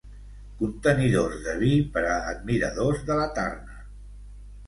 Contenidors de vi per a admiradors de la Turner.